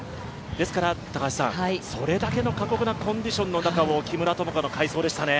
ですから、それだけの過酷なコンディションの中を木村友香の快走でしたね。